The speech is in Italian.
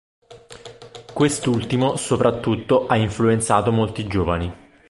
Quest'ultimo soprattutto ha influenzato molti giovani.